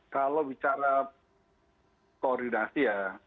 kalau bicara koordinasi